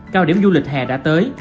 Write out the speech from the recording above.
cao điểm du lịch hè đã tới